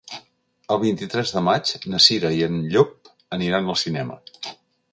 El vint-i-tres de maig na Cira i en Llop aniran al cinema.